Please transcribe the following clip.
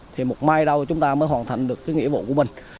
thì một mai đâu chúng ta mới hoàn thành được cái nghĩa vụ của mình